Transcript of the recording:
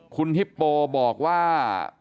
คุณฮิปโปบอกว่า